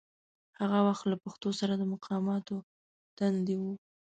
هغه وخت له پښتو سره د مقاماتو تندي و.